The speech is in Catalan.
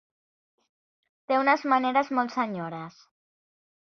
Té unes maneres molt senyores.